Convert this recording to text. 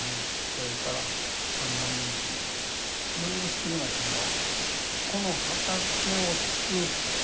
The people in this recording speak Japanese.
それからタマネギいろいろ作りましたよ。